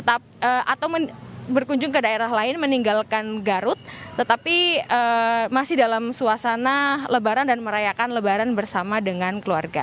atau berkunjung ke daerah lain meninggalkan garut tetapi masih dalam suasana lebaran dan merayakan lebaran bersama dengan keluarga